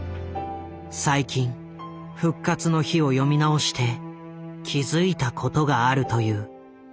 最近「復活の日」を読み直して気付いたことがあるという。